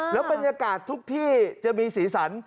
แล้วบรรยากาศทุกที่จะมีสีสัน